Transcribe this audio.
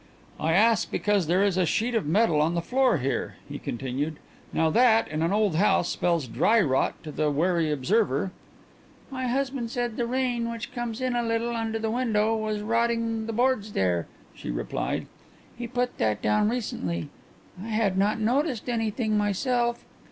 "I ask because there is a sheet of metal on the floor here," he continued. "Now that, in an old house, spells dry rot to the wary observer." "My husband said that the rain, which comes in a little under the window, was rotting the boards there," she replied. "He put that down recently. I had not noticed anything myself."